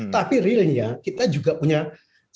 tapi sebenarnya kita juga punya data